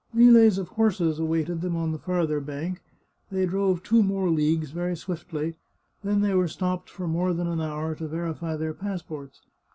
Relays of horses awaited them on the farther bank ; they drove two more leagues very swiftly, then they were stopped for more than an hour to verify their passports.